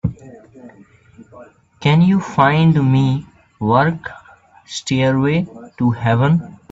Can you find me work, Stairway to Heaven?